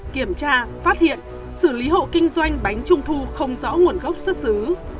kiểm tra phát hiện xử lý hộ kinh doanh bánh trung thu không rõ nguồn gốc xuất xứ